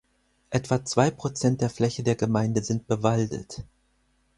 Etwa zwei Prozent der Fläche der Gemeinde sind bewaldet.